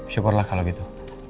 syukurlah kalau gitu